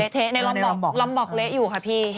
เทะในลำบอกเละอยู่ค่ะพี่